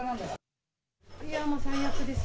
いや、もう最悪です。